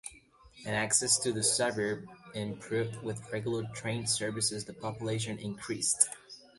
As access to the suburb improved with regular train services the population increased.